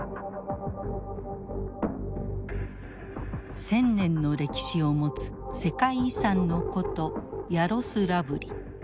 １，０００年の歴史を持つ世界遺産の古都ヤロスラブリ。